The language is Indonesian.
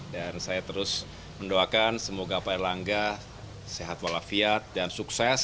dan saya terus mendoakan semoga pak erlangga sehat walafiat dan sukses